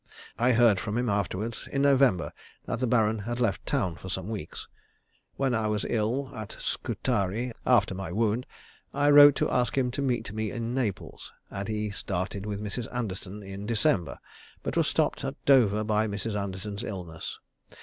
I heard from him afterwards, in November, that the Baron had left town for some weeks. When I was ill at Scutari, after my wound, I wrote to ask him to meet me at Naples, and he started with Mrs. Anderton in December, but was stopped at Dover by Mrs. Anderton's illness.